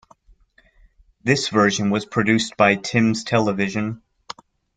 This version was produced by Thames Television.